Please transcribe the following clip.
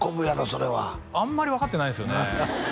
それはあんまり分かってないんですよね